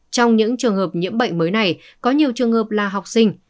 trong những trường hợp nhiễm bệnh mới này có nhiều trường hợp là học sinh